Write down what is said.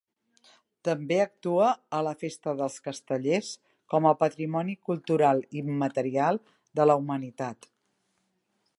També actua a la festa dels castellers com a Patrimoni cultural immaterial de la Humanitat.